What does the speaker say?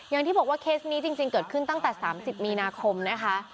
อย่างที่บอกว่าเคสนี้จริงเกิดขึ้นตั้งแต่๓๐มีนาคมนะคะ